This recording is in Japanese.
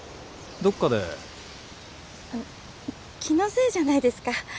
どこかで気のせいじゃないですか？